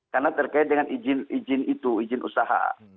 karena terkait dengan izin itu izin usaha